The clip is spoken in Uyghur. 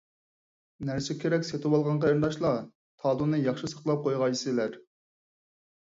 نەرسە-كېرەك سېتىۋالغان قېرىنداشلار، تالوننى ياخشى ساقلاپ قويغايسىلەر.